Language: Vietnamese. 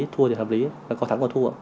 thua thì hợp lý có thắng có thua